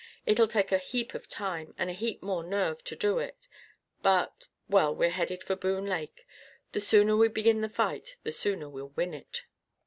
It'll take a heap of time and a heap more nerve to do it. But well, we're headed for Boone Lake. The sooner we begin the fight the sooner we'll win it."